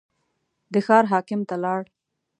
د ښار حاکم ته لاړ.